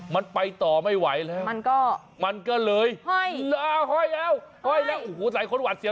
มันไปต่อไม่ไหวแล้วมันก็เหลือยเหลือยแล้วโอ้โหใส่คนหวัดเสีย